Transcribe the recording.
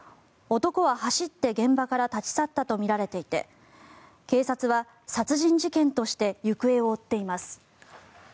男は、走って現場から立ち去ったとみられていて警察は殺人事件として行方を追っています。